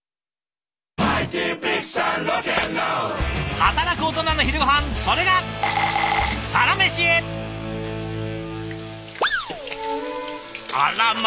働くオトナの昼ごはんそれがあらま！